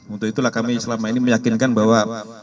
untuk itulah kami selama ini meyakinkan bahwa